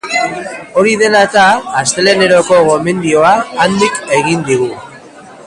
Hori dela eta, asteleheneroko gomendioa handik egin digu.